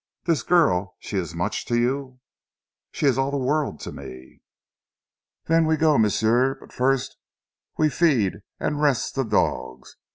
Dis girl she ees mooch to you?" "She is all the world to me." "Den we go, m'sieu. But first we feed an' rest zee dogs.